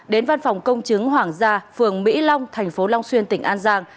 đến văn phòng công chứng hoàng gia phường mỹ long thành phố long xuyên tỉnh an giang